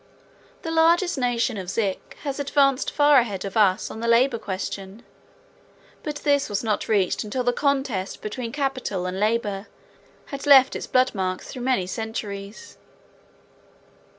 The largest nation of Zik has advanced far ahead of us on the labor question, but this was not reached until the contest between capital and labor had left its blood marks through many centuries.